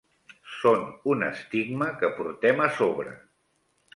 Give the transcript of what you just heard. Són un estigma que portem a sobre